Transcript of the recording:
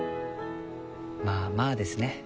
まあまあですね。